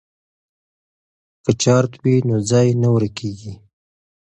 که چارت وي نو ځای نه ورکیږي.